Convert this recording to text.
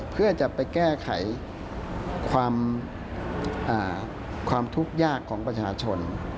เพื่อจะไปแก้ไขความทุกข์ยากของประชาชน